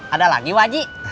ada lagi wak